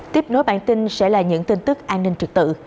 tiếp nối bản tin sẽ là những tin tức an ninh trực tự